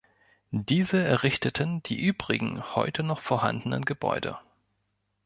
Diese errichteten die übrigen heute noch vorhandenen Gebäude.